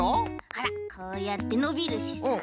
ほらこうやってのびるしさ。